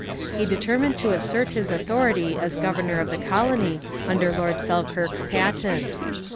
He determined to assert his authority as governor of the colony under Lord Selkirk's patent.